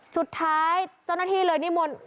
สุดท้ายเจ้าหน้าที่เลยนิมนต์